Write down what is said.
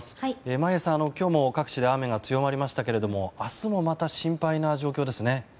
眞家さん、今日も各地で雨が強まりましたけれども明日もまた心配な状況ですね。